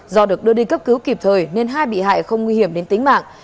do được đưa đi cấp cứu kịp thời nên hai bị hại không nguy hiểm đến tính mạng